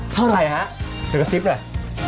เท่าไหร่ฮะเดี๋ยวก็ซิบเลย